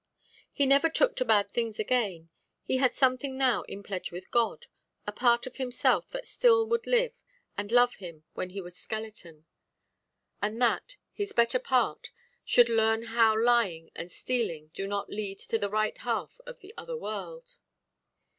He never took to bad things again. He had something now in pledge with God; a part of himself that still would live, and love him when he was skeleton. And that, his better part, should learn how lying and stealing do not lead to the right half of the other world.